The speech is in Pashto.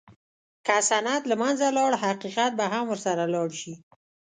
که سند له منځه لاړ، حقیقت به هم ورسره لاړ شي.